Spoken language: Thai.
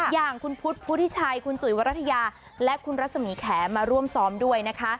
อย่างคุณพุทธพุทธิชัยคุณจุ๋ยวรัฐยาและคุณรัศมีแขมาร่วมซ้อมด้วยนะคะ